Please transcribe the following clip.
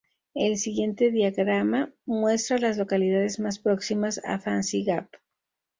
El siguiente diagrama muestra a las localidades más próximas a Fancy Gap.